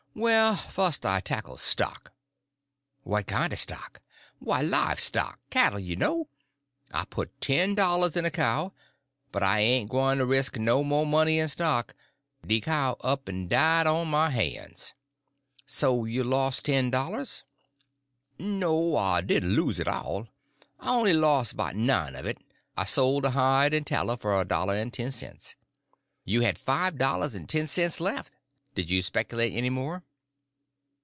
"Well, fust I tackled stock." "What kind of stock?" "Why, live stock—cattle, you know. I put ten dollars in a cow. But I ain' gwyne to resk no mo' money in stock. De cow up 'n' died on my han's." "So you lost the ten dollars." "No, I didn't lose it all. I on'y los' 'bout nine of it. I sole de hide en taller for a dollar en ten cents." "You had five dollars and ten cents left. Did you speculate any more?"